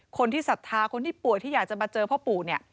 ศรัทธาคนที่ป่วยที่อยากจะมาเจอพ่อปู่เนี่ย